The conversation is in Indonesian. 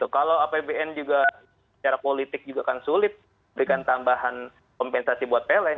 kalau apbn juga secara politik juga akan sulit berikan tambahan kompensasi buat pln